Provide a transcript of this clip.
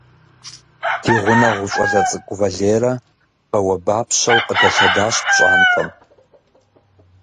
Ди гъунэгъу щӀалэ цӀыкӀу Валерэ бауэбапщэу къыдэлъэдащ пщӀантӀэм.